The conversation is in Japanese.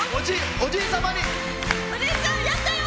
おじいちゃん、やったよ！